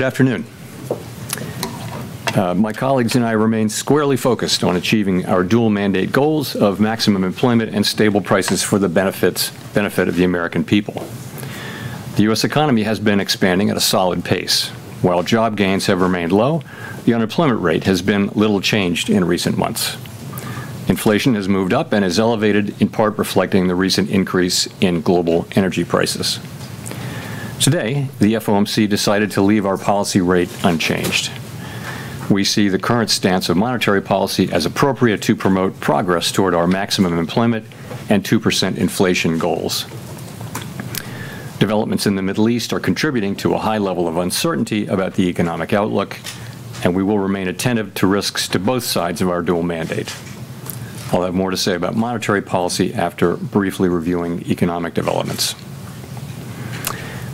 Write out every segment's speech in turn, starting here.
Good afternoon. My colleagues andI remain squarely focused on achieving our dual mandate goals of maximum employment and stable prices for the benefit of the American people. The U.S. economy has been expanding at a solid pace. While job gains have remained low, the unemployment rate has been little changed in recent months. Inflation has moved up and is elevated, in part reflecting the recent increase in global energy prices. Today, the FOMC decided to leave our policy rate unchanged. We see the current stance of monetary policy as appropriate to promote progress toward our maximum employment and 2% inflation goals. Developments in the Middle East are contributing to a high level of uncertainty about the economic outlook, and we will remain attentive to risks to both sides of our dual mandate. I'll have more to say about monetary policy after briefly reviewing economic developments.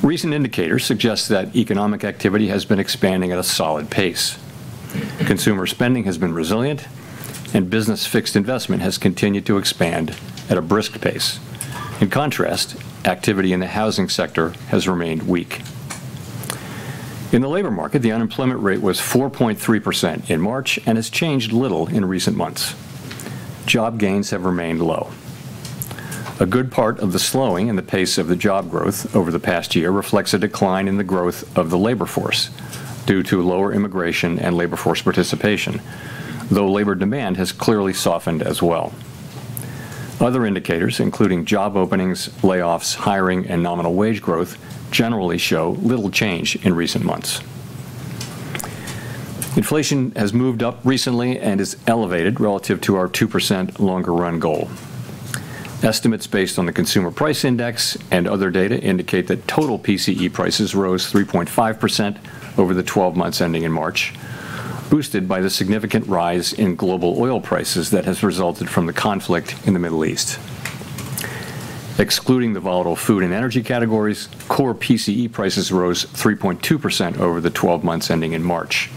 Recent indicators suggest that economic activity has been expanding at a solid pace. Consumer spending has been resilient, and business fixed investment has continued to expand at a brisk pace. In contrast, activity in the housing sector has remained weak. In the labor market, the unemployment rate was 4.3% in March and has changed little in recent months. Job gains have remained low. A good part of the slowing in the pace of the job growth over the past year reflects a decline in the growth of the labor force due to lower immigration and labor force participation, though labor demand has clearly softened as well. Other indicators, including job openings, layoffs, hiring, and nominal wage growth, generally show little change in recent months. Inflation has moved up recently and is elevated relative to our 2% longer-run goal. Estimates based on the Consumer Price Index and other data indicate that total PCE prices rose 3.5% over the 12 months ending in March, boosted by the significant rise in global oil prices that has resulted from the conflict in the Middle East. Excluding the volatile food and energy categories, Core PCE prices rose 3.2% over the 12 months ending in March.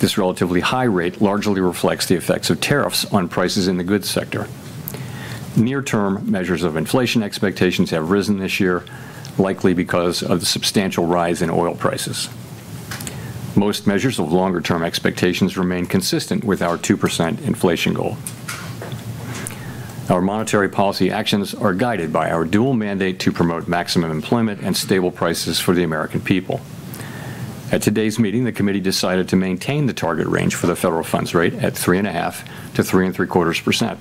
This relatively high rate largely reflects the effects of tariffs on prices in the goods sector. Near-term measures of inflation expectations have risen this year, likely because of the substantial rise in oil prices. Most measures of longer-term expectations remain consistent with our 2% inflation goal. Our monetary policy actions are guided by our dual mandate to promote maximum employment and stable prices for the American people. At today's meeting, the committee decided to maintain the target range for the federa funds rate at 3.5% to 3.75%.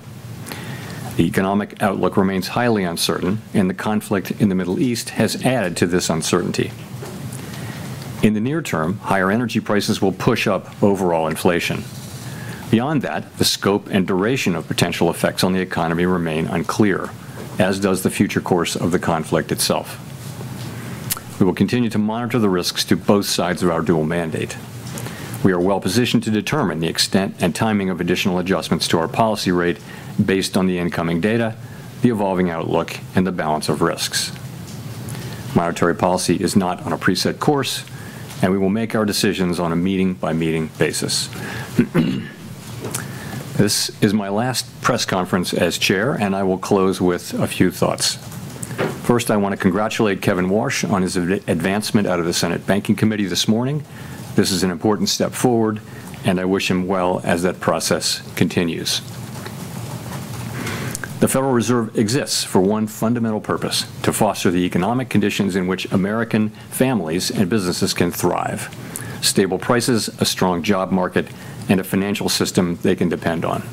The economic outlook remains highly uncertain and the conflict in the Middle East has added to this uncertainty. In the near term, higher energy prices will push up overall inflation. Beyond that, the scope and duration of potential effects on the economy remain unclear, as does the future course of the conflict itself. We will continue to monitor the risks to both sides of our dual mandate. We are well-positioned to determine the extent and timing of additional adjustments to our policy rate based on the incoming data, the evolving outlook, and the balance of risks. Monetary policy is not on a preset course, and we will make our decisions on a meeting-by-meeting basis. This is my last press conference as Chair, and I will close with a few thoughts. First, I wanna congratulate Kevin Warsh on his advancement out of the Senate Banking Committee this morning. This is an important step forward, and I wish him well as that process continues. The Federal Reserve exists for one fundamental purpose: to foster the economic conditions in which American families and businesses can thrive. Stable prices, a strong job market, and a financial system they can depend on.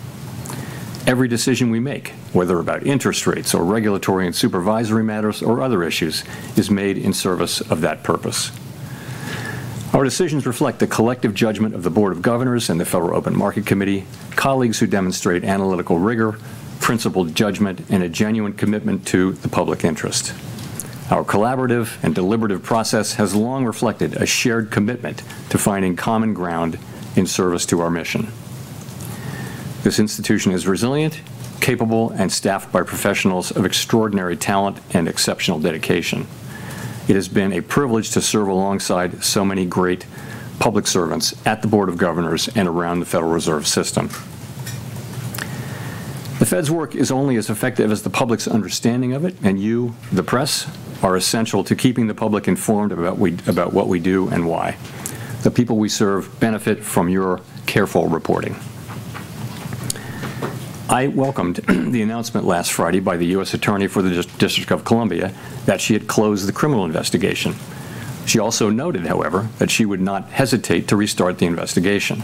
Every decision we make, whether about interest rates or regulatory and supervisory matters or other issues, is made in service of that purpose. Our decisions reflect the collective judgment of the Board of Governors and the Federal Open Market Committee, colleagues who demonstrate analytical rigor, principled judgment, and a genuine commitment to the public interest. Our collaborative and deliberative process has long reflected a shared commitment to finding common ground in service to our mission. This institution is resilient, capable, and staffed by professionals of extraordinary talent and exceptional dedication. It has been a privilege to serve alongside so many great public servants at the Board of Governors and around the Federal Reserve System. The Fed's work is only as effective as the public's understanding of it, and you, the press, are essential to keeping the public informed about what we do and why. The people we serve benefit from your careful reporting. I welcomed the announcement last Friday by the U.S. Attorney for the District of Columbia that she had closed the criminal investigation. She also noted, however, that she would not hesitate to restart the investigation.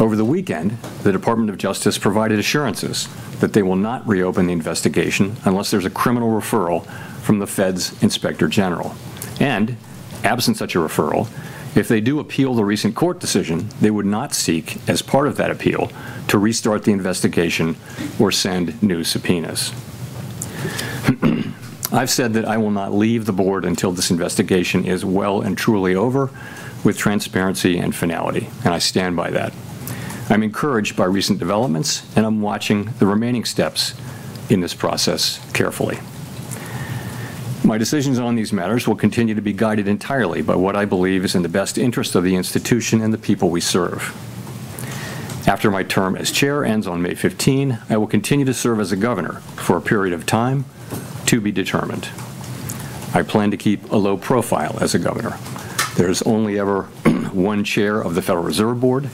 Over the weekend, the Department of Justice provided assurances that they will not reopen the investigation unless there's a criminal referral from the Fed's Inspector General. Absent such a referral, if they do appeal the recent court decision, they would not seek, as part of that appeal, to restart the investigation or send new subpoenas. I've said that I will not leave the Board until this investigation is well and truly over with transparency and finality, and I stand by that. I'm encouraged by recent developments, and I'm watching the remaining steps in this process carefully. My decisions on these matters will continue to be guided entirely by what I believe is in the best interest of the institution and the people we serve. After my term as Chair ends on May 15, I will continue to serve as a governor for a period of time to be determined. I plan to keep a low profile as a governor. There's only ever one Chair of the Federal Reserve Board.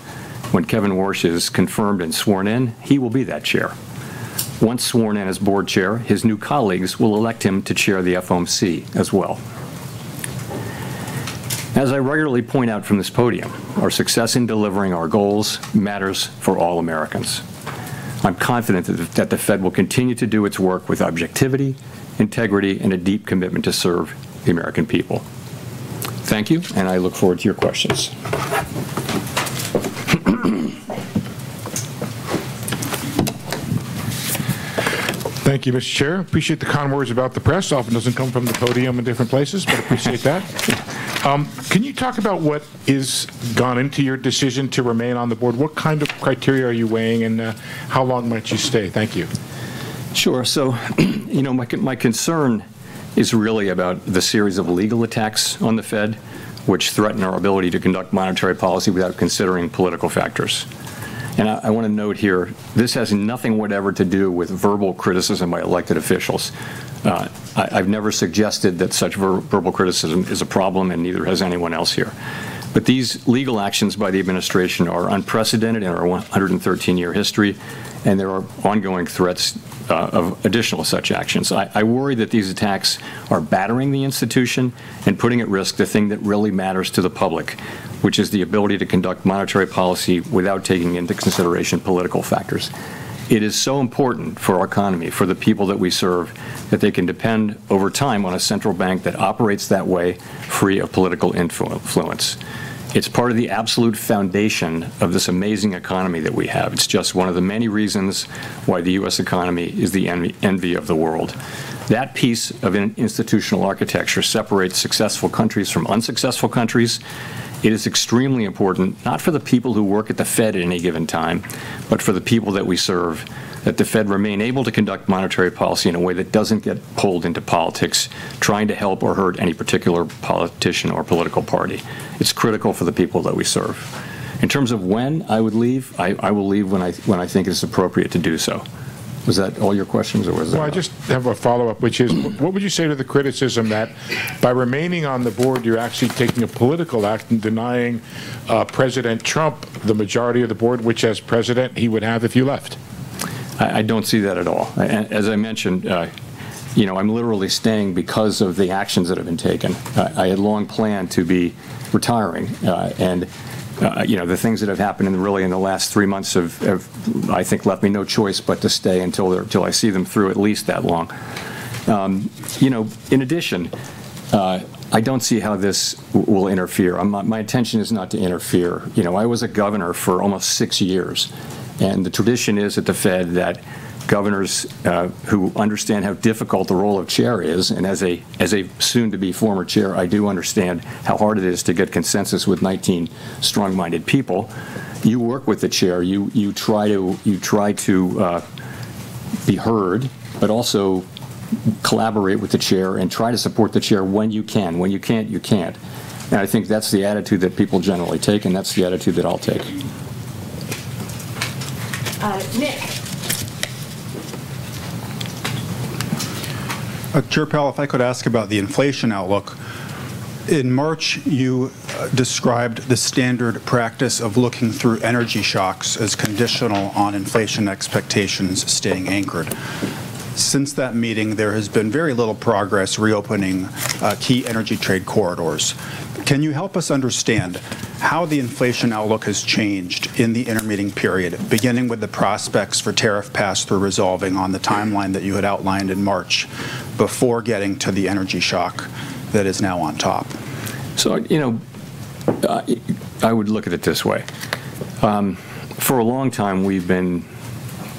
When Kevin Warsh is confirmed and sworn in, he will be that Chair. Once sworn in as Board Chair, his new colleagues will elect him to chair the FOMC as well. As I regularly point out from this podium, our success in delivering our goals matters for all Americans. I'm confident that the Fed will continue to do its work with objectivity, integrity, and a deep commitment to serve the American people. Thank you. I look forward to your questions. Thank you, Mr. Chair. Appreciate the kind words about the press. Often doesn't come from the podium in different places. Appreciate that. Can you talk about what is gone into your decision to remain on the board? What kind of criteria are you weighing, and how long might you stay? Thank you. Sure. You know, my concern is really about the series of legal attacks on the Fed which threaten our ability to conduct monetary policy without considering political factors. I wanna note here, this has nothing whatever to do with verbal criticism by elected officials. I've never suggested that such verbal criticism is a problem, and neither has anyone else here. These legal actions by the administration are unprecedented in our 113-year history, and there are ongoing threats of additional such actions. I worry that these attacks are battering the institution and putting at risk the thing that really matters to the public, which is the ability to conduct monetary policy without taking into consideration political factors. It is so important for our economy, for the people that we serve, that they can depend over time on a central bank that operates that way, free of political influence. It's part of the absolute foundation of this amazing economy that we have. It's just one of the many reasons why the U.S. economy is the envy of the world. That piece of institutional architecture separates successful countries from unsuccessful countries. It is extremely important, not for the people who work at the Fed at any given time, but for the people that we serve, that the Fed remain able to conduct monetary policy in a way that doesn't get pulled into politics, trying to help or hurt any particular politician or political party. It's critical for the people that we serve. In terms of when I would leave, I will leave when I think it's appropriate to do so. Was that all your questions, or was there- Well, I just have a follow-up, which is what would you say to the criticism that by remaining on the board, you're actually taking a political act in denying President Trump the majority of the board, which as president he would have if you left? I don't see that at all. As I mentioned, you know, I'm literally staying because of the actions that have been taken. I had long planned to be retiring, and, you know, the things that have happened in, really in the last three months have, I think, left me no choice but to stay until they're, till I see them through at least that long. You know, in addition, I don't see how this will interfere. My intention is not to interfere. You know, I was a governor for almost six years, and the tradition is at the Fed that governors who understand how difficult the role of Chair is, and as a soon-to-be-former Chair, I do understand how hard it is to get consensus with 19 strong-minded people. You work with the Chair. You try to be heard, but also collaborate with the chair and try to support the chair when you can. When you can't, you can't. I think that's the attitude that people generally take, and that's the attitude that I'll take. Nick. Chair Powell, if I could ask about the inflation outlook. In March, you described the standard practice of looking through energy shocks as conditional on inflation expectations staying anchored. Since that meeting, there has been very little progress reopening key energy trade corridors. Can you help us understand how the inflation outlook has changed in the intermeeting period, beginning with the prospects for tariff pass through resolving on the timeline that you had outlined in March before getting to the energy shock that is now on top? You know, I would look at it this way. For a long time we've been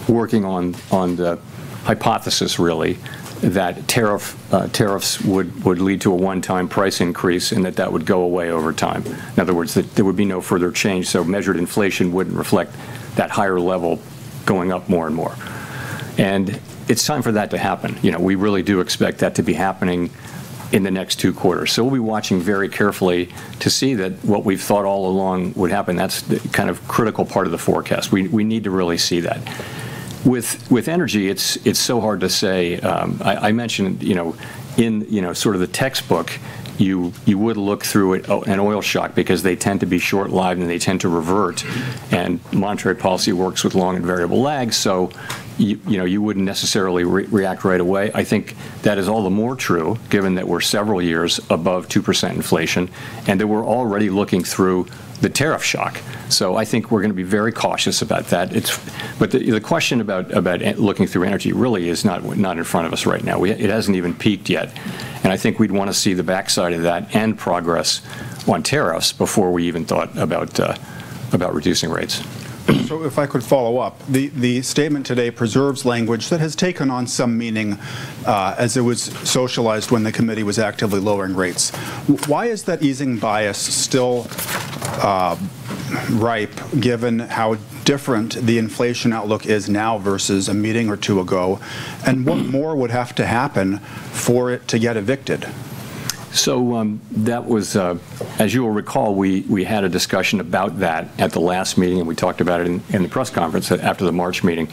working on the hypothesis really that tariffs would lead to a one-time price increase, and that that would go away over time. In other words, that there would be no further change, so measured inflation wouldn't reflect that higher level going up more and more. It's time for that to happen. You know, we really do expect that to be happening in the next two quarters. We'll be watching very carefully to see that what we've thought all along would happen. That's the kind of critical part of the forecast. We need to really see that. With energy, it's so hard to say. I mentioned, you know, in, you know, sort of the textbook, you would look through it, an oil shock, because they tend to be short-lived, and they tend to revert, and monetary policy works with long and variable lags, you know, you wouldn't necessarily react right away. I think that is all the more true given that we're several years above 2% inflation and that we're already looking through the tariff shock. I think we're gonna be very cautious about that. The question about looking through energy really is not in front of us right now. We, it hasn't even peaked yet, and I think we'd wanna see the backside of that and progress on tariffs before we even thought about reducing rates. If I could follow up. The statement today preserves language that has taken on some meaning as it was socialized when the committee was actively lowering rates. Why is that easing bias still ripe given how different the inflation outlook is now versus a meeting or two ago? What more would have to happen for it to get evicted? That was, as you will recall, we had a discussion about that at the last meeting, and we talked about it in the press conference after the March meeting.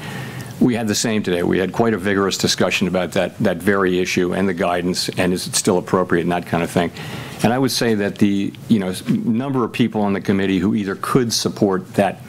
We had the same today. We had quite a vigorous discussion about that very issue and the guidance, and is it still appropriate, and that kind of thing. I would say that the, you know, number of people on the committee who either could support that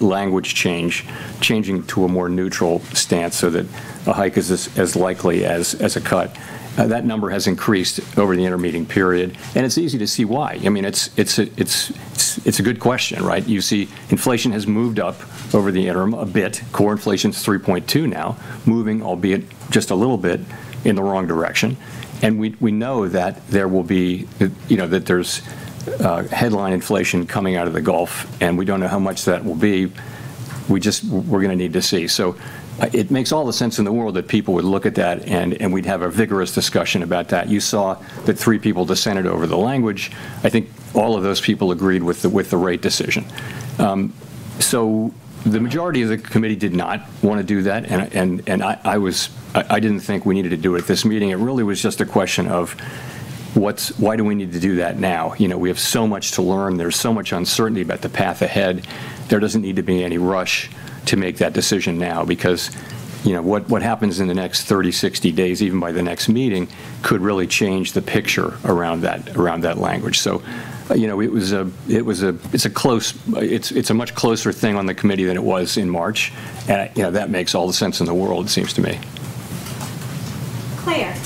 language change, changing to a more neutral stance so that a hike is as likely as a cut, that number has increased over the intermeeting period, and it's easy to see why. I mean, it's a good question, right? You see inflation has moved up over the interim a bit. Core inflation's 3.2 now, moving, albeit just a little bit, in the wrong direction. We know that there will be, you know, that there's headline inflation coming out of the Gulf, we don't know how much that will be. We just, we're gonna need to see. It makes all the sense in the world that people would look at that and we'd have a vigorous discussion about that. You saw that three people dissented over the language. I think all of those people agreed with the rate decision. The majority of the committee did not wanna do that, and I didn't think we needed to do it at this meeting. It really was just a question of why do we need to do that now? You know, we have so much to learn. There's so much uncertainty about the path ahead. There doesn't need to be any rush to make that decision now because, you know, what happens in the next 30, 60 days, even by the next meeting, could really change the picture around that, around that language. You know, it's a close, it's a much closer thing on the committee than it was in March. You know, that makes all the sense in the world, it seems to me. Claire.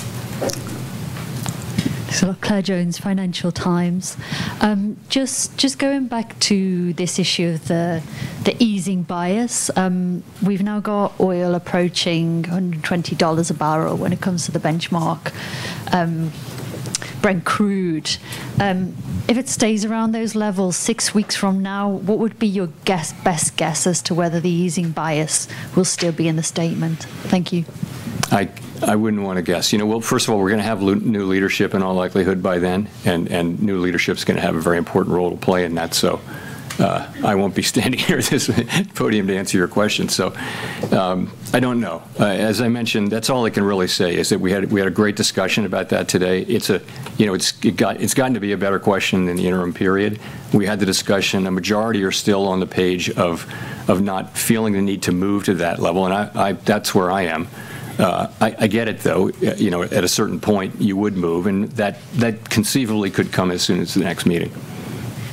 Claire Jones, Financial Times. Just going back to this issue of the easing bias, we've now got oil approaching $120 a barrel when it comes to the benchmark, Brent Crude. If it stays around those levels six weeks from now, what would be your guess, best guess as to whether the easing bias will still be in the statement? Thank you. I wouldn't wanna guess. You know, well, first of all, we're gonna have new leadership in all likelihood by then, and new leadership's gonna have a very important role to play in that. I won't be standing here at this podium to answer your question. I don't know. As I mentioned, that's all I can really say is that we had a great discussion about that today. It's a, you know, it's gotten to be a better question in the interim period. We had the discussion. A majority are still on the page of not feeling the need to move to that level, and that's where I am. I get it, though. You know, at a certain point you would move, and that conceivably could come as soon as the next meeting.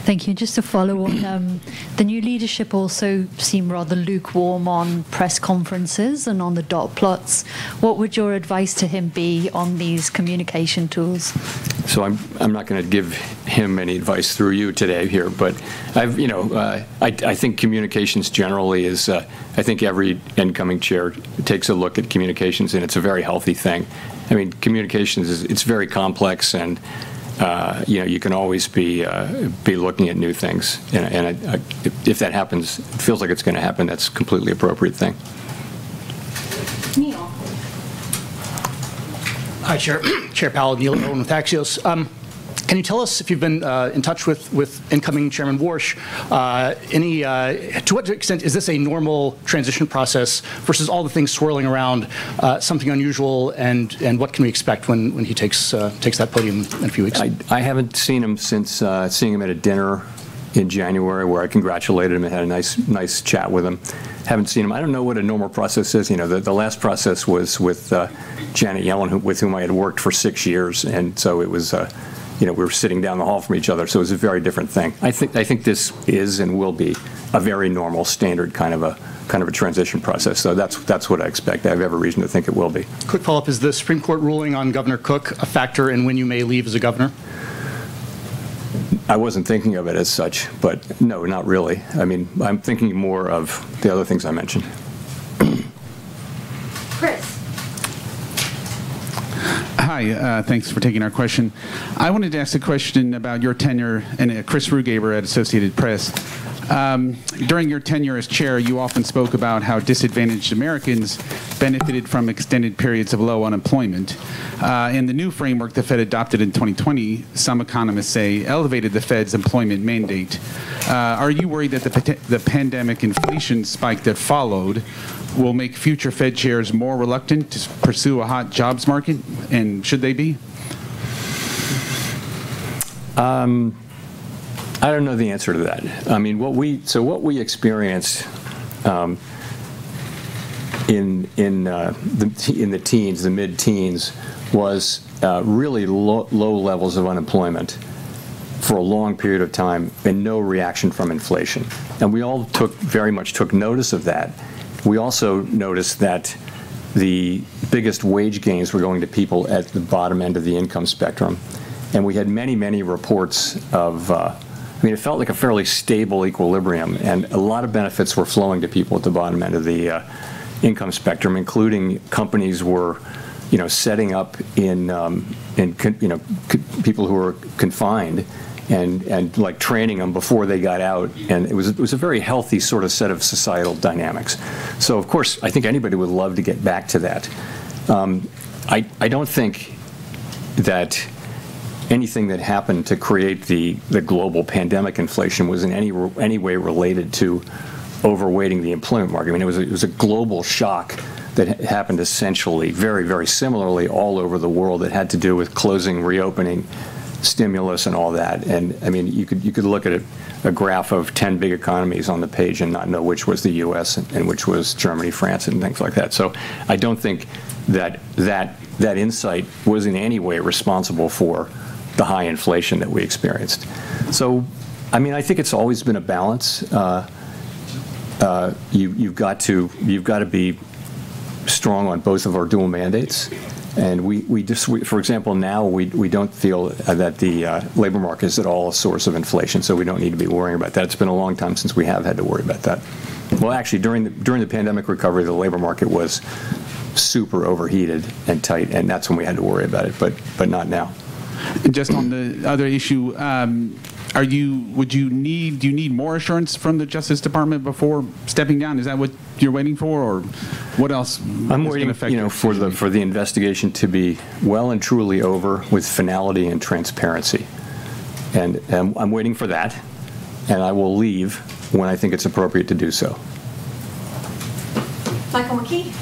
Thank you. Just to follow on, the new leadership also seem rather lukewarm on press conferences and on the dot plots. What would your advice to him be on these communication tools? I'm not gonna give him any advice through you today here, I've, you know, I think communications generally is, I think every incoming chair takes a look at communications, and it's a very healthy thing. I mean, communications is, it's very complex and, you know, you can always be looking at new things. I, if that happens, feels like it's gonna happen, that's a completely appropriate thing. Neil. Hi, Chair. Chair Powell, Neil Irwin, Axios. Can you tell us if you've been in touch with incoming Chairman Warsh? To what extent is this a normal transition process versus all the things swirling around something unusual, and what can we expect when he takes that podium in a few weeks? I haven't seen him since seeing him at a dinner in January where I congratulated him and had a nice chat with him. Haven't seen him. I don't know what a normal process is. You know, the last process was with Janet Yellen who, with whom I had worked for six years, it was, you know, we were sitting down the hall from each other. It was a very different thing. I think this is and will be a very normal, standard kind of a transition process. That's what I expect. I have every reason to think it will be. Quick follow-up. Is the Supreme Court ruling on Governor Cook a factor in when you may leave as a governor? I wasn't thinking of it as such, but no, not really. I mean, I'm thinking more of the other things I mentioned. Chris. Hi. Thanks for taking our question. I wanted to ask a question about your tenure. Chris Rugaber at Associated Press. During your tenure as Chair, you often spoke about how disadvantaged Americans benefited from extended periods of low unemployment. The new framework the Fed adopted in 2020 some economists say elevated the Fed's employment mandate. Are you worried that the pandemic inflation spike that followed will make future Fed chairs more reluctant to pursue a hot jobs market, and should they be? I don't know the answer to that. I mean, what we experienced in the, in the teens, the mid-teens, was really low levels of unemployment for a long period of time and no reaction from inflation. We all took, very much took notice of that. We also noticed that the biggest wage gains were going to people at the bottom end of the income spectrum. We had many, many reports of. I mean, it felt like a fairly stable equilibrium. A lot of benefits were flowing to people at the bottom end of the income spectrum, including companies were, you know, setting up in, you know, people who were confined and, like, training them before they got out. It was a very healthy sort of set of societal dynamics. Of course, I think anybody would love to get back to that. I don't think that anything that happened to create the global pandemic inflation was in any way related to overweighting the employment market. I mean, it was a global shock that happened essentially very, very similarly all over the world that had to do with closing, reopening, Stimulus and all that. I mean, you could look at it, a graph of 10 big economies on the page and not know which was the U.S. and which was Germany, France, and things like that. I don't think that insight was in any way responsible for the high inflation that we experienced. I mean, I think it's always been a balance. You've got to, you've gotta be strong on both of our dual mandates. We, for example, now we don't feel that the labor market is at all a source of inflation, we don't need to be worrying about that. It's been a long time since we have had to worry about that. Well, actually, during the pandemic recovery, the labor market was super overheated and tight, that's when we had to worry about it, but not now. Just on the other issue, do you need more assurance from the Justice Department before stepping down? Is that what you're waiting for, or what else is gonna factor into the decision? I'm waiting, you know, for the investigation to be well and truly over with finality and transparency. I'm waiting for that, and I will leave when I think it's appropriate to do so. Michael McKee.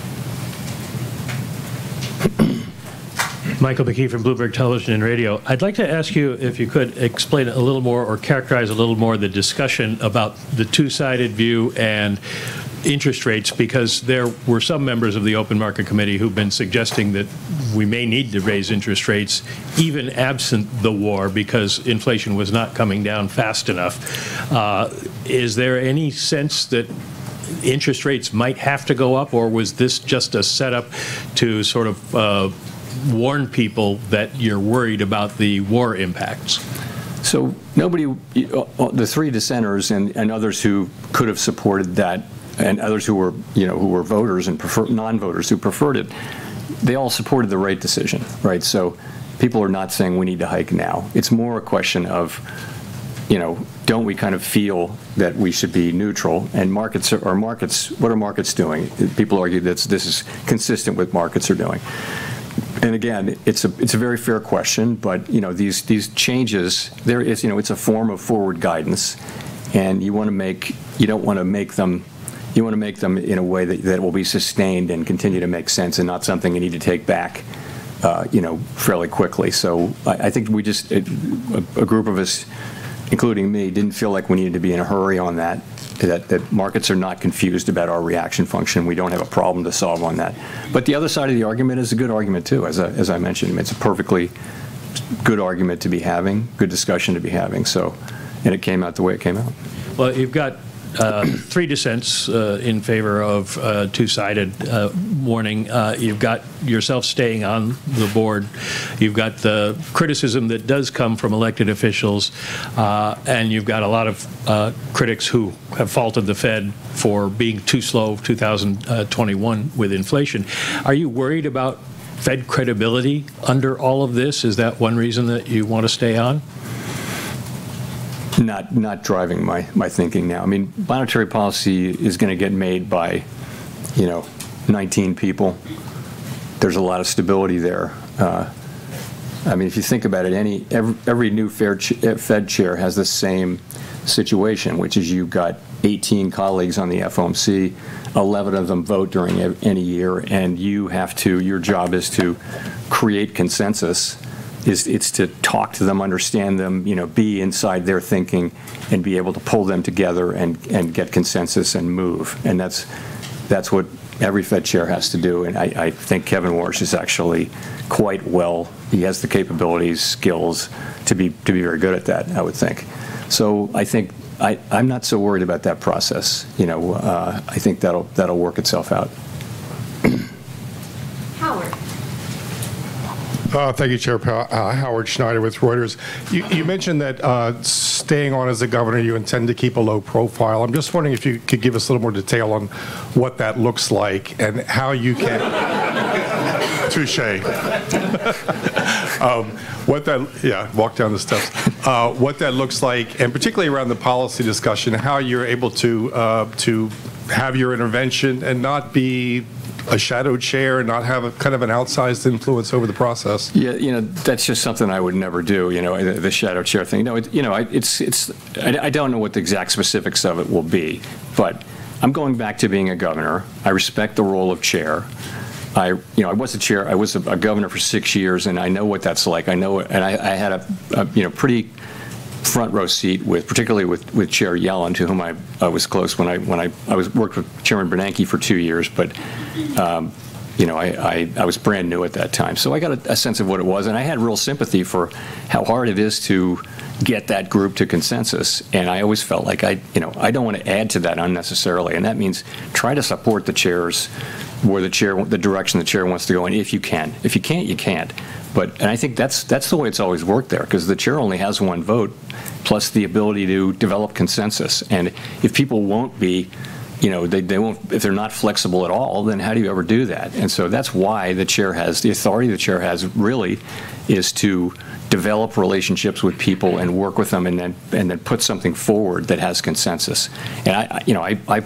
Michael McKee from Bloomberg Television and Radio. I'd like to ask you if you could explain a little more or characterize a little more the discussion about the two-sided view and interest rates, because there were some members of the Open Market Committee who've been suggesting that we may need to raise interest rates even absent the war, because inflation was not coming down fast enough. Is there any sense that interest rates might have to go up, or was this just a setup to sort of warn people that you're worried about the war impacts? Nobody, the three dissenters and others who could have supported that and others who were, you know, who were voters and non-voters who preferred it, they all supported the right decision, right? It's more a question of, you know, don't we kind of feel that we should be neutral, and what are markets doing? People argue that this is consistent with markets are doing. Again, it's a, it's a very fair question, but, you know, these changes, there is, you know, it's a form of forward guidance and you wanna make them in a way that will be sustained and continue to make sense and not something you need to take back, you know, fairly quickly. I think we just, a group of us, including me, didn't feel like we needed to be in a hurry on that markets are not confused about our reaction function. We don't have a problem to solve on that. The other side of the argument is a good argument too. As I mentioned, it's a perfectly good argument to be having, good discussion to be having. It came out the way it came out. Well, you've got three dissents in favor of a two-sided warning. You've got yourself staying on the board. You've got the criticism that does come from elected officials, and you've got a lot of critics who have faulted the Fed for being too slow 2021 with inflation. Are you worried about Fed credibility under all of this? Is that one reason that you wanna stay on? Not driving my thinking now. I mean, monetary policy is gonna get made by, you know, 19 people. There's a lot of stability there. I mean, if you think about it, every new Fed chair has the same situation, which is you've got 18 colleagues on the FOMC, 11 of them vote during any year, and your job is to create consensus. It's to talk to them, understand them, you know, be inside their thinking and be able to pull them together and get consensus and move, and that's what every Fed chair has to do. I think Kevin Warsh is actually quite well, he has the capabilities, skills to be very good at that, I would think. I think I'm not so worried about that process, you know. I think that'll work itself out. Howard. Thank you, Howard Schneider with Reuters. You mentioned that, staying on as a governor, you intend to keep a low profile. I'm just wondering if you could give us a little more detail on what that looks like and how you can- Touché. Yeah, walk down the steps. What that looks like, and particularly around the policy discussion, how you're able to have your intervention and not be a shadow chair, not have a kind of an outsized influence over the process. You know, that's just something I would never do, you know, the shadow chair thing. No, you know, I don't know what the exact specifics of it will be, but I'm going back to being a governor. I respect the role of chair. You know, I was a chair, I was a governor for six years, and I know what that's like. I know it, and I had a, you know, pretty front row seat with, particularly with, Chair Yellen, to whom I was close when I worked with Chairman Bernanke for two years, but, you know, I was brand new at that time. I got a sense of what it was, I had real sympathy for how hard it is to get that group to consensus, I always felt like I, you know, I don't wanna add to that unnecessarily. That means try to support the Chairs where the Chair the direction the Chair wants to go in if you can. If you can't, you can't. I think that's the way it's always worked there, 'cause the Chair only has one vote, plus the ability to develop consensus. If people won't be, you know, they won't if they're not flexible at all, then how do you ever do that? That's why the Chair has the authority the Chair has, really, is to develop relationships with people and work with them, and then, and then put something forward that has consensus. I, you know, I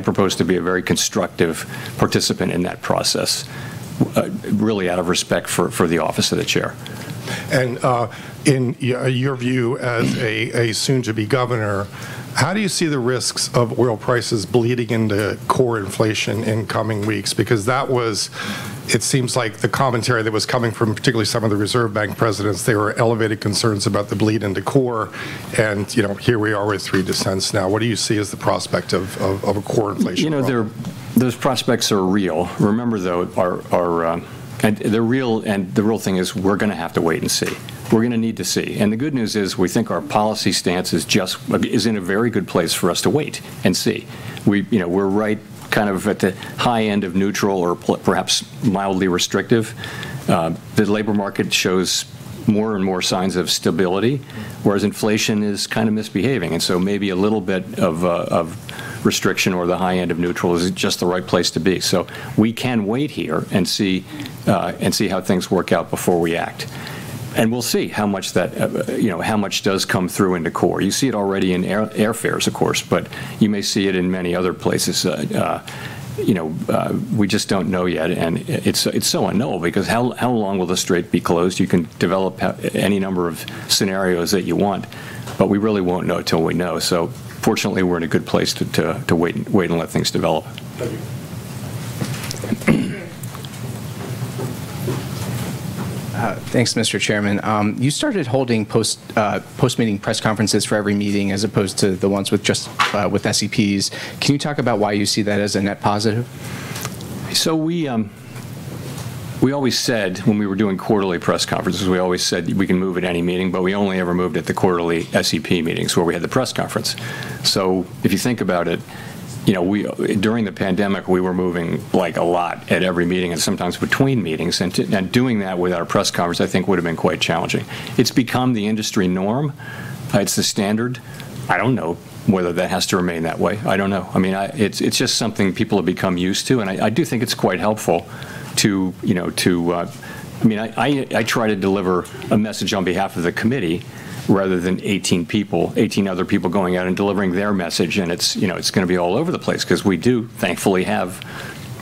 propose to be a very constructive participant in that process, really out of respect for the office of the Chair. In your view as a soon-to-be governor, how do you see the risks of oil prices bleeding into core inflation in coming weeks? That was, it seems like the commentary that was coming from particularly some of the Reserve Bank presidents, there were elevated concerns about the bleed into core. You know, here we are with three dissents now. What do you see as the prospect of a core inflation problem? You know, there, those prospects are real. They're real, and the real thing is we're gonna have to wait and see. We're gonna need to see. The good news is we think our policy stance is just, is in a very good place for us to wait and see. We, you know, we're right kind of at the high end of neutral or perhaps mildly restrictive. The labor market shows more and more signs of stability, whereas inflation is kind of misbehaving. Maybe a little bit of restriction or the high end of neutral is just the right place to be. We can wait here and see, and see how things work out before we act. We'll see how much that, you know, how much does come through into core. You see it already in airfares of course, but you may see it in many other places. You know, we just don't know yet. It's so unknown, because how long will the strait be closed? You can develop any number of scenarios that you want, but we really won't know till we know. Fortunately, we're in a good place to wait and let things develop. Thank you. Thanks, Mr. Chairman. You started holding post-meeting press conferences for every meeting as opposed to the ones with just with SEPs. Can you talk about why you see that as a net positive? We always said when we were doing quarterly press conferences, we always said we can move at any meeting, but we only ever moved at the quarterly SEP meetings where we had the press conference. If you think about it, you know, we, during the pandemic, we were moving, like, a lot at every meeting and sometimes between meetings. Doing that with our press conference I think would have been quite challenging. It's become the industry norm. It's the standard. I don't know whether that has to remain that way. I don't know. I mean, I, it's just something people have become used to, and I do think it's quite helpful to, you know, to. I mean, I try to deliver a message on behalf of the committee rather than 18 other people going out and delivering their message. You know, it's gonna be all over the place, 'cause we do thankfully have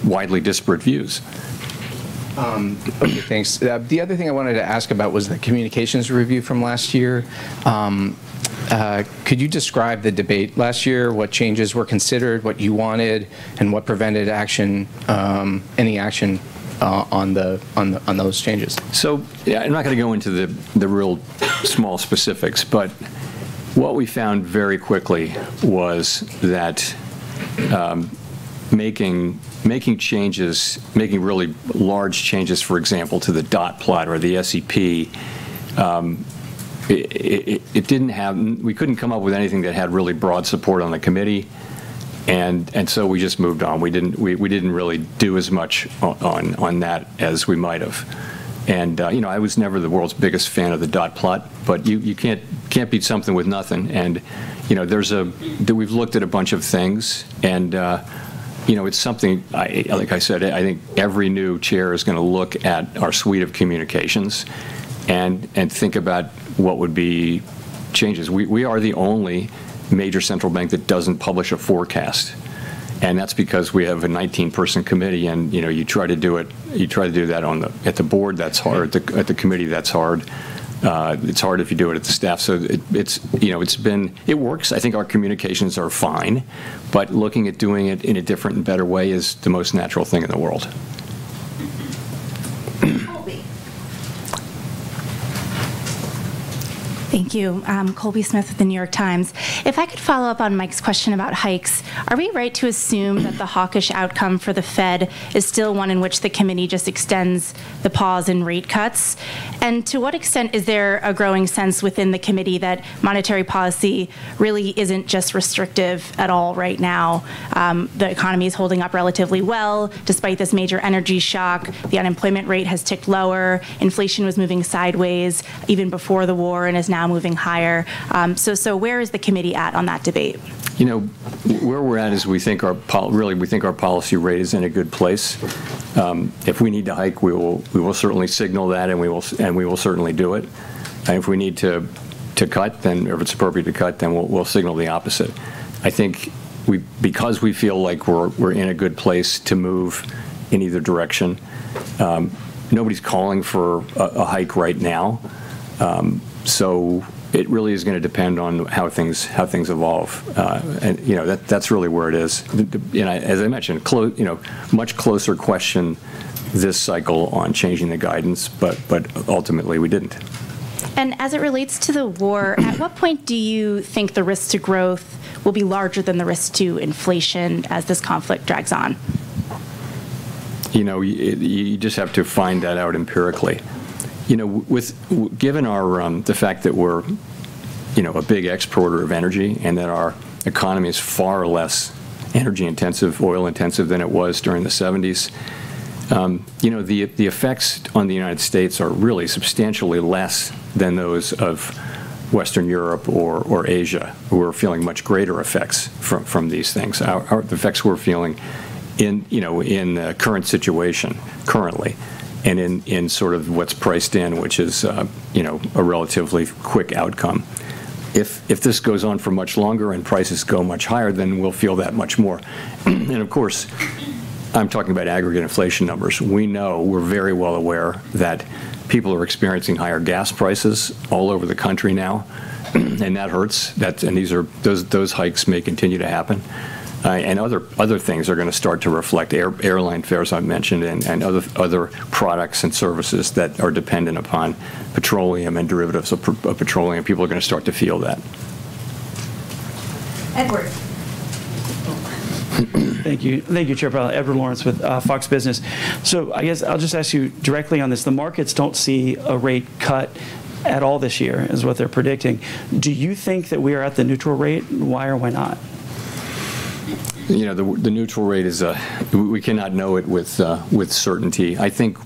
widely disparate views. Okay, thanks. The other thing I wanted to ask about was the communications review from last year. Could you describe the debate last year, what changes were considered, what you wanted, and what prevented action, any action, on those changes? Yeah, I'm not gonna go into the real small specifics, but what we found very quickly was that making changes, making really large changes, for example, to the dot plot or the SEP, We couldn't come up with anything that had really broad support on the committee. We just moved on. We didn't really do as much on that as we might have. You know, I was never the world's biggest fan of the dot plot, but you can't beat something with nothing. You know, We've looked at a bunch of things and, you know, it's something, like I said, I think every new chair is gonna look at our suite of communications and think about what would be changes. We are the only major central bank that doesn't publish a forecast. That's because we have a 19-person committee and, you know, you try to do that at the Board, that's hard. At the committee, that's hard. It's hard if you do it at the staff. It's, you know, it works. I think our communications are fine. Looking at doing it in a different and better way is the most natural thing in the world. Colby. Thank you. Colby Smith of The New York Times. If I could follow up on Mike's question about hikes, are we right to assume that the hawkish outcome for the Fed is still one in which the committee just extends the pause in rate cuts? To what extent is there a growing sense within the committee that monetary policy really isn't just restrictive at all right now? The economy is holding up relatively well despite this major energy shock. The unemployment rate has ticked lower. Inflation was moving sideways even before the war, and is now moving higher. Where is the committee at on that debate? You know, where we're at is we think our really, we think our policy rate is in a good place. If we need to hike, we will certainly signal that and we will certainly do it. If we need to cut, then, or if it's appropriate to cut, then we'll signal the opposite. I think we, because we feel like we're in a good place to move in either direction, nobody's calling for a hike right now. It really is gonna depend on how things evolve. You know, that's really where it is. The, you know, as I mentioned, you know, much closer question this cycle on changing the guidance, but ultimately we didn't. As it relates to the war- at what point do you think the risks to growth will be larger than the risks to inflation as this conflict drags on? You know, you just have to find that out empirically. You know, given our the fact that we're, you know, a big exporter of energy and that our economy is far less energy intensive, oil intensive than it was during the '70s, you know, the effects on the United States are really substantially less than those of Western Europe or Asia, who are feeling much greater effects from these things. The effects we're feeling in, you know, in the current situation currently and in sort of what's priced in, which is, you know, a relatively quick outcome. If this goes on for much longer and prices go much higher, then we'll feel that much more. Of course, I'm talking about aggregate inflation numbers. We know, we're very well aware that people are experiencing higher gas prices all over the country now, and that hurts. That, and these are, those hikes may continue to happen. Other things are gonna start to reflect. Airline fares I've mentioned and other products and services that are dependent upon petroleum and derivatives of petroleum. People are gonna start to feel that. Edward. Thank you. Thank you, Chair Powell. Edward Lawrence with Fox Business. I guess I'll just ask you directly on this. The markets don't see a rate cut at all this year is what they're predicting. Do you think that we are at the neutral rate? Why or why not? You know, the neutral rate is, we cannot know it with certainty. I think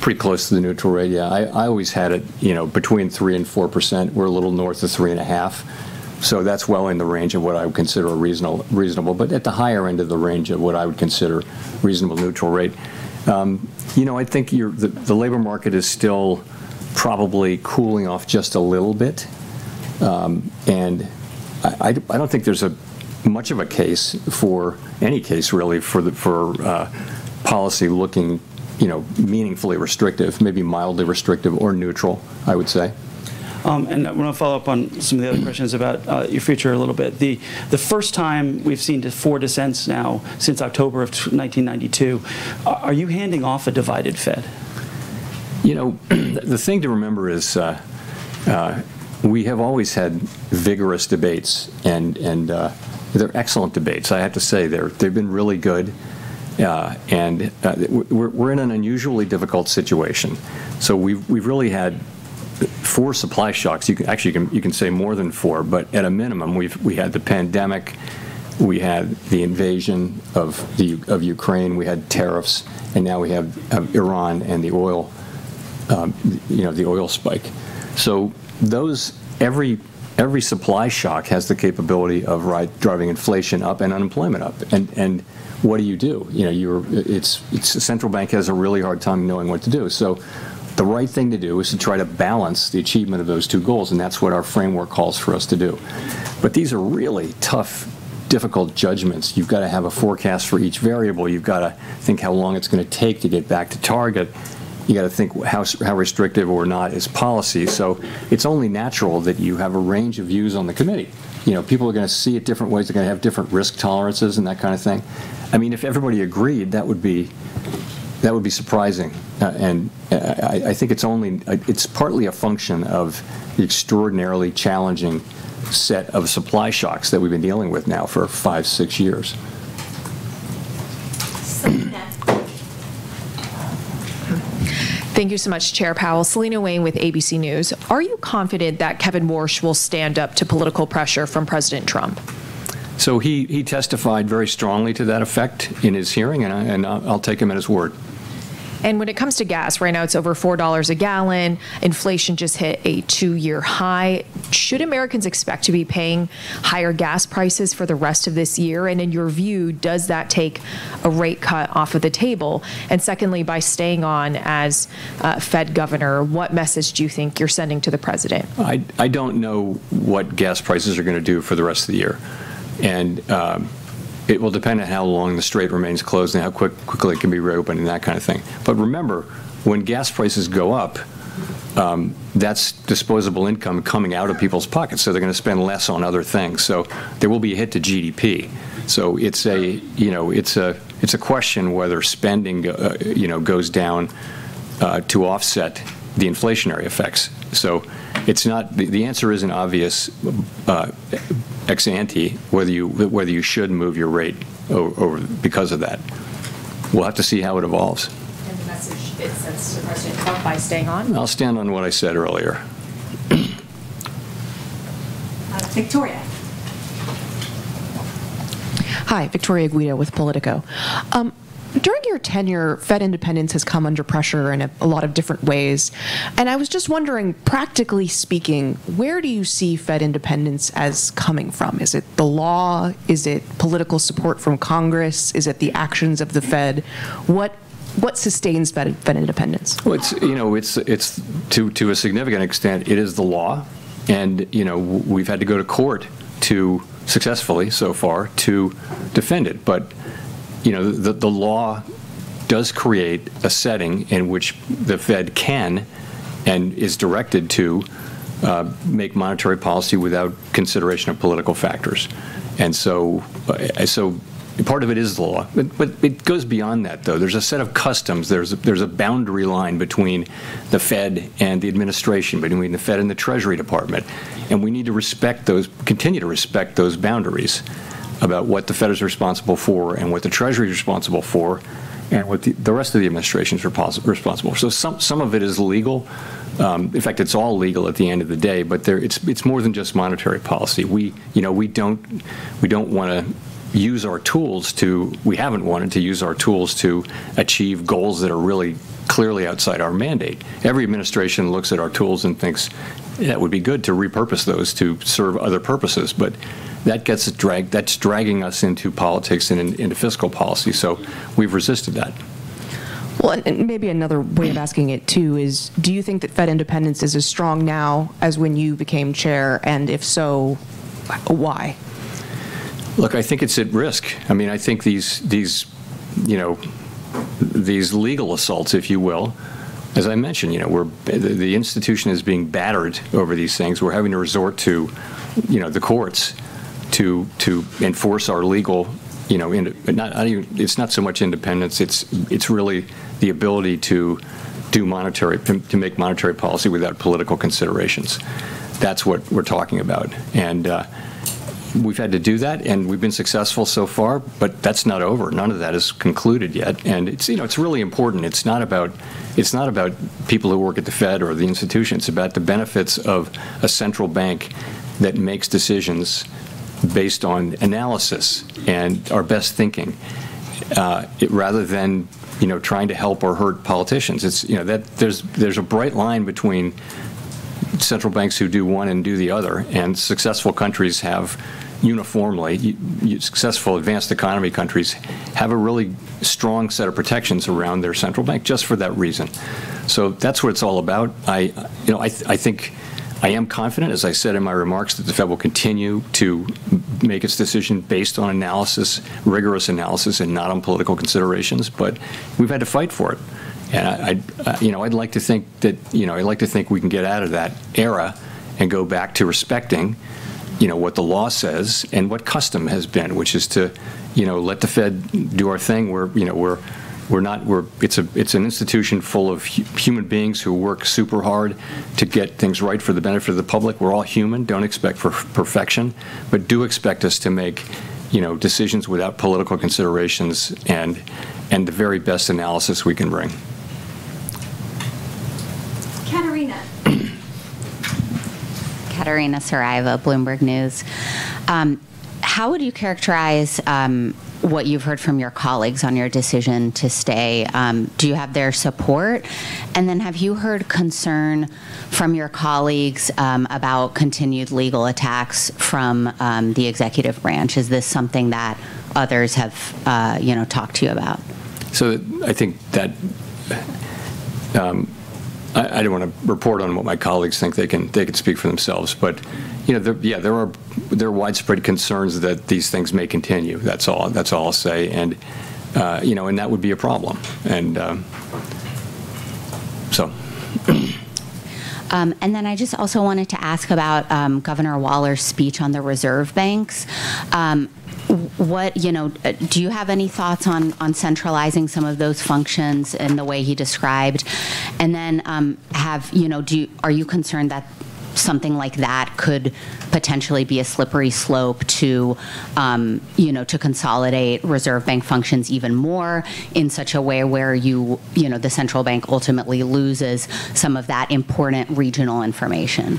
pretty close to the neutral rate, yeah. I always had it, you know, between 3% and 4%. We're a little north of 3.5%, that's well in the range of what I would consider reasonable, but at the higher end of the range of what I would consider reasonable neutral rate. You know, I think the labor market is still probably cooling off just a little bit. I don't think there's much of a case for any case really for policy looking, you know, meaningfully restrictive, maybe mildly restrictive or neutral, I would say. I wanna follow up on some of the other questions about your future a little bit. The first time we've seen the four dissents now since October of 1992. Are you handing off a divided Fed? You know, the thing to remember is, we have always had vigorous debates and, they're excellent debates. I have to say, they're, they've been really good. We're in an unusually difficult situation. We've really had four supply shocks. You can, actually you can say more than four, but at a minimum we had the pandemic, we had the invasion of the, of Ukraine, we had tariffs, and now we have Iran and the oil, you know, the oil spike. Those, every supply shock has the capability of driving inflation up and unemployment up. What do you do? You know, you're, it's, the central bank has a really hard time knowing what to do. The right thing to do is to try to balance the achievement of those two goals, and that's what our framework calls for us to do. These are really tough, difficult judgments. You've gotta have a forecast for each variable. You've gotta think how long it's gonna take to get back to target. You gotta think how restrictive or not is policy. It's only natural that you have a range of views on the committee. You know, people are gonna see it different ways. They're gonna have different risk tolerances and that kinda thing. I mean, if everybody agreed, that would be surprising. I think it's only partly a function of the extraordinarily challenging set of supply shocks that we've been dealing with now for five, six years. Selena. Thank you so much, Chair Powell. Selena Wang with ABC News. Are you confident that Kevin Warsh will stand up to political pressure from President Trump? He testified very strongly to that effect in his hearing, I'll take him at his word. When it comes to gas, right now it's over $4 a gallon. Inflation just hit a two-year high. Should Americans expect to be paying higher gas prices for the rest of this year? In your view, does that take a rate cut off of the table? Secondly, by staying on as a Fed governor, what message do you think you're sending to the President? I don't know what gas prices are gonna do for the rest of the year. It will depend on how long the strait remains closed and how quickly it can be reopened and that kinda thing. Remember, when gas prices go up, that's disposable income coming out of people's pockets, so they're gonna spend less on other things. There will be a hit to GDP. It's a, you know, it's a, it's a question whether spending, you know, goes down to offset the inflationary effects. It's not, the answer isn't obvious, ex ante, whether you, whether you should move your rate over because of that. We'll have to see how it evolves. The message it sends to President Trump by staying on? I'll stand on what I said earlier. Victoria. Hi. Victoria Guida with Politico. During your tenure, Fed independence has come under pressure in a lot of different ways. I was just wondering, practically speaking, where do you see Fed independence as coming from? Is it the law? Is it political support from Congress? Is it the actions of the Fed? What sustains Fed independence? Well, it's, you know, it's to a significant extent it is the law, and, you know, we've had to go to court to, successfully so far, to defend it. But, you know, the law does create a setting in which the Fed can and is directed to make monetary policy without consideration of political factors. So part of it is the law. But it goes beyond that though. There's a set of customs. There's a boundary line between the Fed and the administration, between the Fed and the Treasury Department, and we need to respect those, continue to respect those boundaries about what the Fed is responsible for and what the Treasury is responsible for and what the rest of the administration's responsible for. Some of it is legal. In fact, it's all legal at the end of the day, but there, it's more than just monetary policy. We, you know, we haven't wanted to use our tools to achieve goals that are really clearly outside our mandate. Every administration looks at our tools and thinks it would be good to repurpose those to serve other purposes, but that gets it dragged, that's dragging us into politics and into fiscal policy. We've resisted that. Well, maybe another way of asking it too is do you think that Fed independence is as strong now as when you became chair? If so, why? Look, I think it's at risk. I mean, I think these, you know, these legal assaults, if you will, as I mentioned, you know, we're, the institution is being battered over these things. We're having to resort to, you know, the courts to enforce our legal, you know. It's not so much independence, it's really the ability to do monetary, to make monetary policy without political considerations. That's what we're talking about. We've had to do that, and we've been successful so far. That's not over. None of that is concluded yet. It's really important. It's not about people who work at the Fed or the institution. It's about the benefits of a central bank that makes decisions based on analysis and our best thinking, rather than, you know, trying to help or hurt politicians. It's, you know, there's a bright line between central banks who do one and do the other, and successful countries have uniformly successful advanced economy countries have a really strong set of protections around their central bank just for that reason. That's what it's all about. I, you know, I think, I am confident, as I said in my remarks, that the Fed will continue to make its decision based on analysis, rigorous analysis, and not on political considerations. We've had to fight for it. I, you know, I'd like to think that, you know, I'd like to think we can get out of that era and go back to respecting, you know, what the law says and what custom has been, which is to, you know, let the Fed do our thing. We're, you know, we're not. It's a, it's an institution full of human beings who work super hard to get things right for the benefit of the public. We're all human. Don't expect perfection, but do expect us to make, you know, decisions without political considerations and the very best analysis we can bring. Catarina. Catarina Saraiva, Bloomberg News. How would you characterize what you've heard from your colleagues on your decision to stay? Do you have their support? Have you heard concern from your colleagues about continued legal attacks from the executive branch? Is this something that others have, you know, talked to you about? I don't wanna report on what my colleagues think. They can speak for themselves. You know, there are widespread concerns that these things may continue. That's all I'll say. You know, that would be a problem. I just also wanted to ask about Governor Waller's speech on the Reserve Banks. What, you know, do you have any thoughts on centralizing some of those functions in the way he described? Have, you know, do, are you concerned that something like that could potentially be a slippery slope to, you know, to consolidate Reserve Bank functions even more in such a way where you know, the central bank ultimately loses some of that important regional information?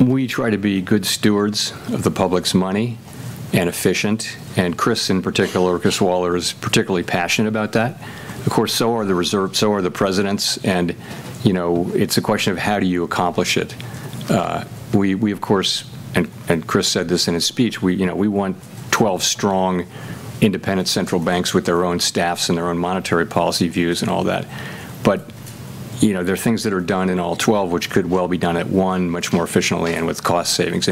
We try to be good stewards of the public's money, and efficient, and Chris in particular, Christopher Waller, is particularly passionate about that. Of course, so are the reserves, so are the presidents. You know, it's a question of how do you accomplish it. We of course, and Chris said this in his speech, we, you know, we want 12 strong independent central banks with their own staffs and their own monetary policy views and all that. You know, there are things that are done in all 12 which could well be done at one much more efficiently and with cost savings.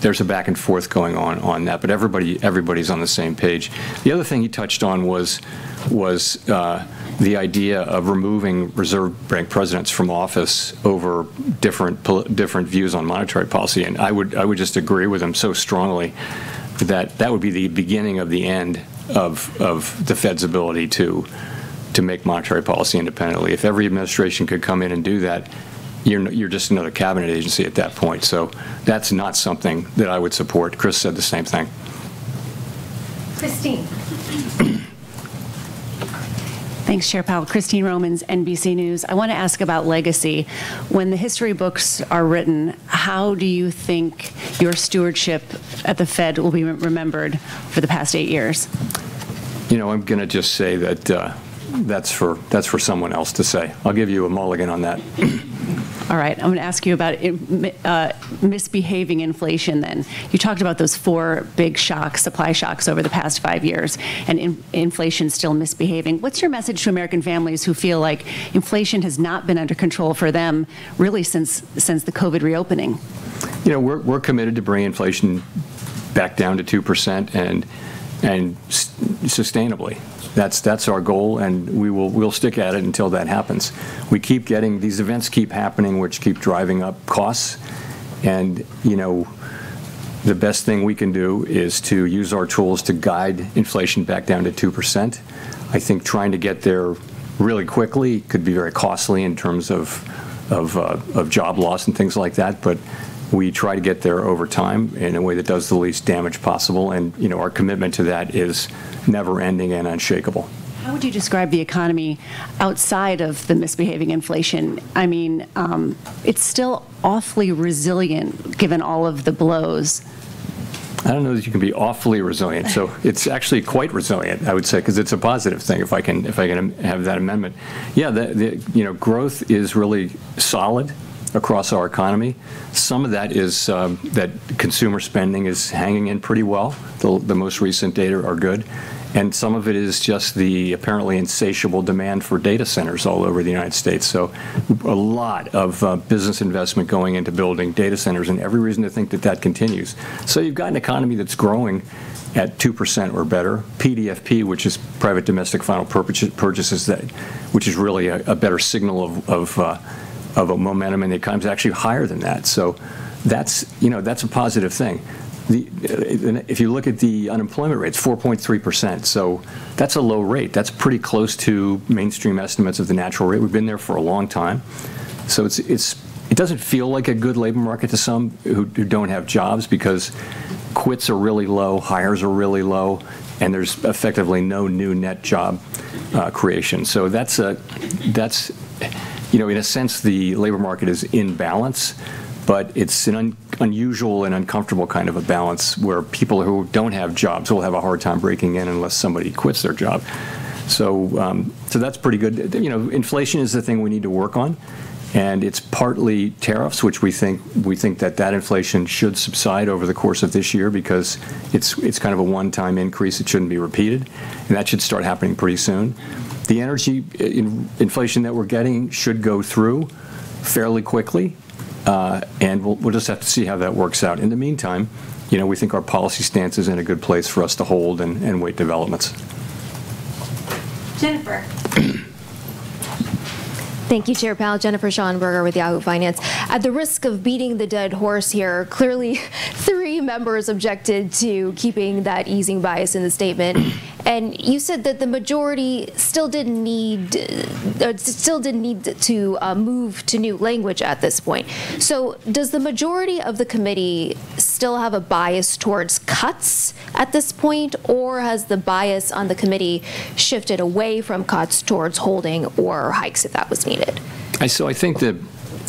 There's a back and forth going on on that. Everybody's on the same page. The other thing he touched on was the idea of removing Reserve Bank presidents from office over different views on monetary policy. I would just agree with him so strongly that that would be the beginning of the end of the Fed's ability to make monetary policy independently. If every administration could come in and do that, you're just another cabinet agency at that point. That's not something that I would support. Chris said the same thing. Christine. Thanks, Chair Powell. Christine Romans, NBC News. I wanna ask about legacy. When the history books are written, how do you think your stewardship at the Fed will be remembered for the past eight years? You know, I'm gonna just say that's for, that's for someone else to say. I'll give you a mulligan on that. All right. I'm gonna ask you about misbehaving inflation then. You talked about those four big shocks, supply shocks, over the past five years, and inflation's still misbehaving. What's your message to American families who feel like inflation has not been under control for them really since the COVID reopening? You know, we're committed to bringing inflation back down to 2% and sustainably. That's our goal. We'll stick at it until that happens. These events keep happening which keep driving up costs. You know, the best thing we can do is to use our tools to guide inflation back down to 2%. I think trying to get there really quickly could be very costly in terms of job loss and things like that. We try to get there over time in a way that does the least damage possible. You know, our commitment to that is never-ending and unshakable. How would you describe the economy outside of the misbehaving inflation? I mean, it's still awfully resilient given all of the blows- I don't know that you can be awfully resilient. It's actually quite resilient, I would say, 'cause it's a positive thing, if I can, if I can have that amendment. Yeah, the, you know, growth is really solid across our economy. Some of that is that consumer spending is hanging in pretty well. The most recent data are good. Some of it is just the apparently insatiable demand for data centers all over the United States. A lot of business investment going into building data centers, and every reason to think that that continues. You've got an economy that's growing at 2% or better. PDFP, which is private domestic final purchases that, which is really a better signal of a momentum, and it comes actually higher than that. That's, you know, that's a positive thing. The, if you look at the unemployment rate, it's 4.3%, that's a low rate. That's pretty close to mainstream estimates of the natural rate. We've been there for a long time. It's, it doesn't feel like a good labor market to some who don't have jobs because quits are really low, hires are really low, and there's effectively no new net job creation. That's a, you know, in a sense the labor market is in balance, but it's an unusual and uncomfortable kind of a balance where people who don't have jobs will have a hard time breaking in unless somebody quits their job. That's pretty good. You know, inflation is the thing we need to work on, and it's partly tariffs, which we think, we think that that inflation should subside over the course of this year because it's kind of a one-time increase. It shouldn't be repeated, and that should start happening pretty soon. The energy inflation that we're getting should go through fairly quickly, and we'll just have to see how that works out. In the meantime, you know, we think our policy stance is in a good place for us to hold and wait developments. Jennifer. Thank you, Chair Powell. Jennifer Schonberger with Yahoo Finance. At the risk of beating the dead horse here, clearly three members objected to keeping that easing bias in the statement. You said that the majority still didn't need to move to new language at this point. Does the majority of the committee still have a bias towards cuts at this point, or has the bias on the committee shifted away from cuts towards holding or hikes if that was needed? I think the,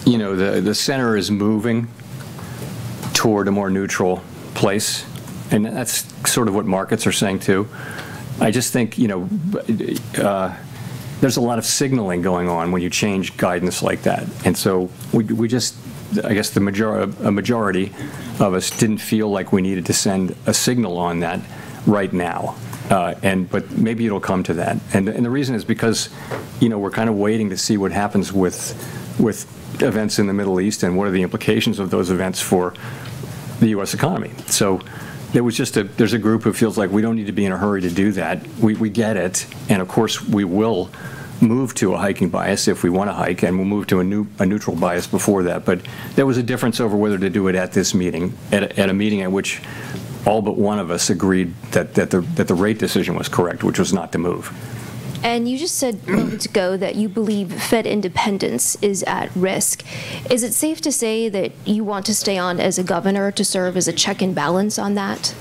you know, the center is moving toward a more neutral place, and that's sort of what markets are saying too. I just think, you know, there's a lot of signaling going on when you change guidance like that. We just, I guess the majority of us didn't feel like we needed to send a signal on that right now. Maybe it'll come to that. The reason is because, you know, we're kind of waiting to see what happens with events in the Middle East, and what are the implications of those events for the U.S. economy. There's a group who feels like we don't need to be in a hurry to do that. We get it. Of course we will move to a hiking bias if we wanna hike, we'll move to a neutral bias before that. There was a difference over whether to do it at this meeting, at a meeting at which all but one of us agreed that the rate decision was correct, which was not to move. You just said moments ago that you believe Fed independence is at risk. Is it safe to say that you want to stay on as a Governor to serve as a check and balance on that?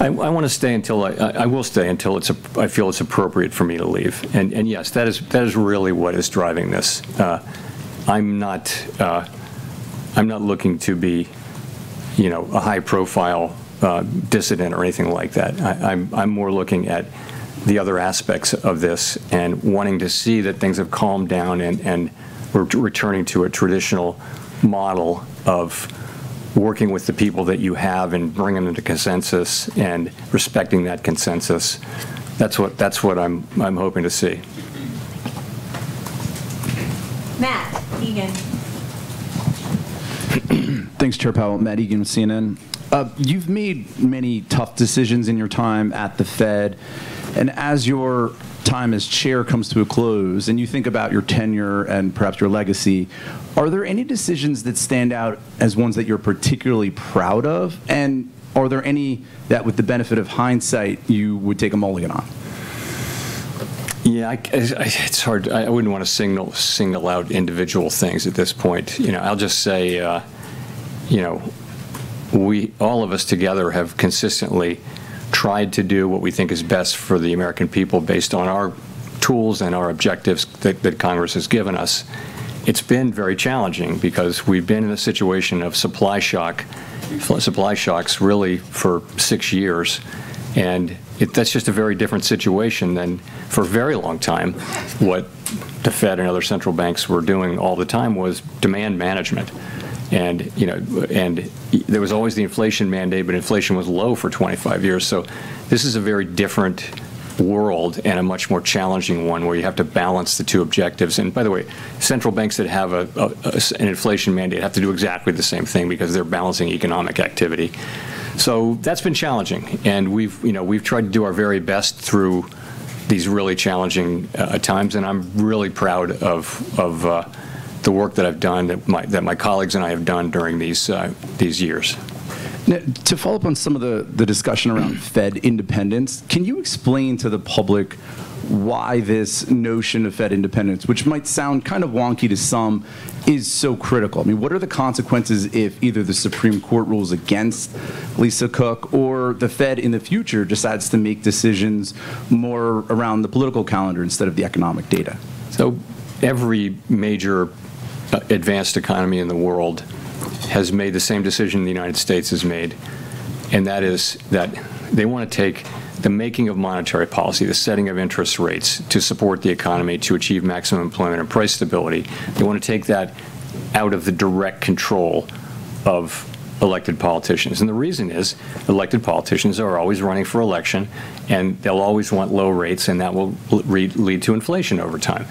I wanna stay until I will stay until I feel it's appropriate for me to leave. Yes, that is really what is driving this. I'm not looking to be, you know, a high-profile, dissident or anything like that. I'm more looking at the other aspects of this and wanting to see that things have calmed down and we're returning to a traditional model of working with the people that you have and bringing them to consensus and respecting that consensus. That's what I'm hoping to see. Matt Egan. Thanks, Chair Powell. Matt Egan with CNN. You've made many tough decisions in your time at the Fed. As your time as Chair comes to a close and you think about your tenure and perhaps your legacy, are there any decisions that stand out as ones that you're particularly proud of? Are there any that with the benefit of hindsight you would take a mulligan on? Yeah, it's hard. I wouldn't wanna single out individual things at this point. You know, I'll just say, you know, we, all of us together have consistently tried to do what we think is best for the American people based on our tools and our objectives that Congress has given us. It's been very challenging because we've been in a situation of supply shocks really for six years, that's just a very different situation than for a very long time what the Fed and other central banks were doing all the time was demand management. You know, and there was always the inflation mandate, but inflation was low for 25 years. This is a very different world and a much more challenging one where you have to balance the two objectives. By the way, central banks that have an inflation mandate have to do exactly the same thing because they're balancing economic activity. That's been challenging. We've, you know, we've tried to do our very best through these really challenging times, and I'm really proud of the work that I've done that my colleagues and I have done during these years. Now to follow up on some of the discussion around Fed independence, can you explain to the public why this notion of Fed independence, which might sound kind of wonky to some, is so critical? I mean, what are the consequences if either the Supreme Court rules against Lisa Cook, or the Fed in the future decides to make decisions more around the political calendar instead of the economic data? Every major advanced economy in the world has made the same decision the United States has made, and that is that they wanna take the making of monetary policy, the setting of interest rates to support the economy, to achieve maximum employment and price stability, they wanna take that out of the direct control of elected politicians. The reason is elected politicians are always running for election, and they'll always want low rates, and that will lead to inflation over time.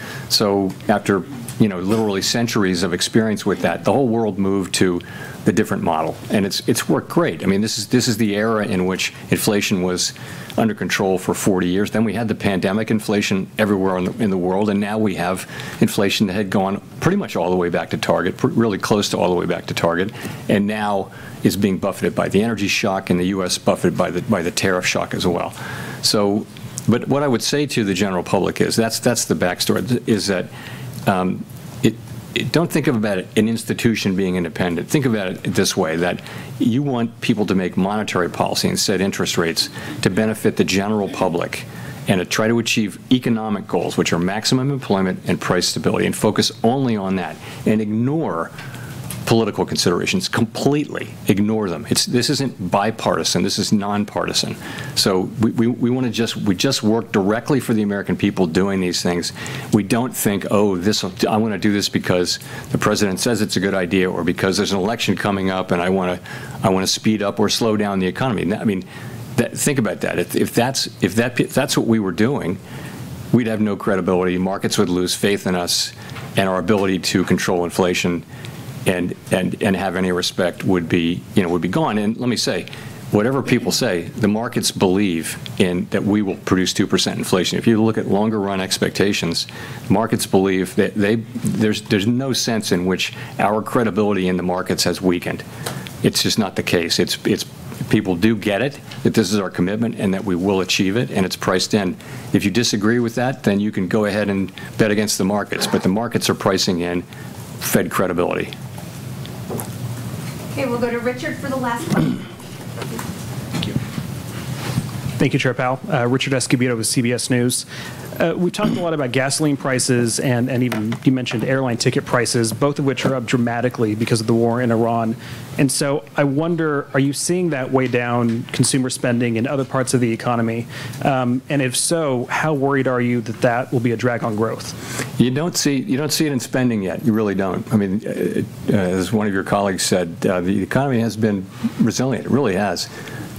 After, you know, literally centuries of experience with that, the whole world moved to the different model, and it's worked great. I mean, this is, this is the era in which inflation was under control for 40 years. We had the pandemic inflation everywhere in the world, now we have inflation that had gone pretty much all the way back to target, really close to all the way back to target, now is being buffeted by the energy shock and the U.S. buffeted by the tariff shock as well. What I would say to the general public is that's the backstory. Is that, don't think about an institution being independent. Think about it this way, you want people to make monetary policy and set interest rates to benefit the general public and to try to achieve economic goals, which are maximum employment and price stability, focus only on that, ignore political considerations, completely ignore them. This isn't bipartisan. This is nonpartisan. We, wanna just, we just work directly for the American people doing these things. We don't think, "Oh, this'll. I wanna do this because the president says it's a good idea or because there's an election coming up, and I wanna speed up or slow down the economy." That, I mean, that, think about that. If that's, if that, if that's what we were doing, we'd have no credibility, markets would lose faith in us and our ability to control inflation, and have any respect would be, you know, would be gone. Let me say, whatever people say, the markets believe in, that we will produce 2% inflation. If you look at longer run expectations, markets believe that they. There's no sense in which our credibility in the markets has weakened. It's just not the case. People do get it, that this is our commitment, and that we will achieve it, and it's priced in. If you disagree with that, then you can go ahead and bet against the markets, but the markets are pricing in Fed credibility. Okay. We'll go to Richard for the last one. Thank you. Thank you, Chair Powell. Richard Escobedo with CBS News. We talked a lot about gasoline prices and even you mentioned airline ticket prices, both of which are up dramatically because of the war in Iran. I wonder, are you seeing that weigh down consumer spending in other parts of the economy? If so, how worried are you that that will be a drag on growth? You don't seet in spending yet. You really don't. I mean, as one of your colleagues said, the economy has been resilient. It really has.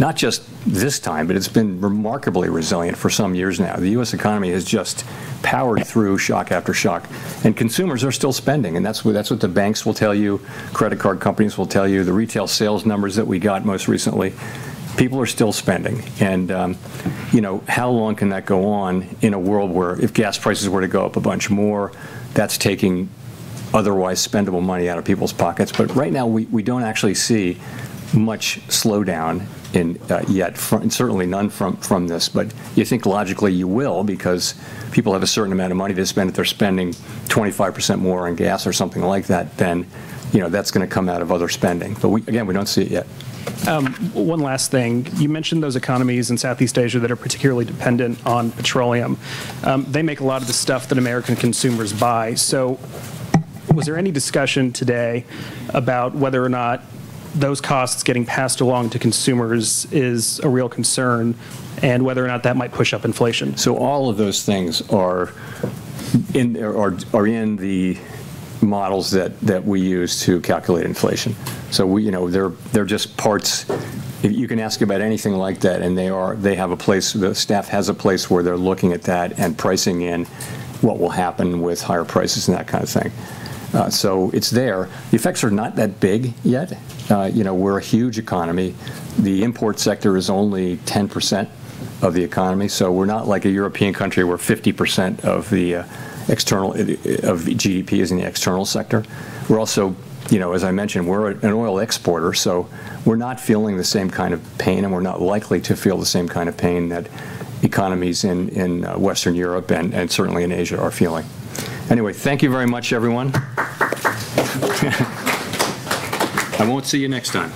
Not just this time, but it's been remarkably resilient for some years now. The U.S. economy has just powered through shock after shock, consumers are still spending, that's what the banks will tell you, credit card companies will tell you, the retail sales numbers that we got most recently. People are still spending. You know, how long can that go on in a world where if gas prices were to go up a bunch more, that's taking otherwise spendable money out of people's pockets? Right now we don't actually see much slowdown in yet and certainly none from this. You think logically you will, because people have a certain amount of money to spend. If they're spending 25% more on gas or something like that, then, you know, that's gonna come out of other spending. We, again, we don't see it yet. One last thing. You mentioned those economies in Southeast Asia that are particularly dependent on petroleum. They make a lot of the stuff that American consumers buy. Was there any discussion today about whether or not those costs getting passed along to consumers is a real concern and whether or not that might push up inflation? All of those things are in the models that we use to calculate inflation. We, you know, they're just parts. You can ask about anything like that, and they have a place, the staff has a place where they're looking at that and pricing in what will happen with higher prices and that kinda thing. It's there. The effects are not that big yet. You know, we're a huge economy. The import sector is only 10% of the economy, so we're not like a European country where 50% of the external of GDP is in the external sector. We're also, you know, as I mentioned, we're an oil exporter, so we're not feeling the same kind of pain, and we're not likely to feel the same kind of pain that economies in Western Europe and certainly in Asia are feeling. Anyway, thank you very much everyone. I won't see you next time.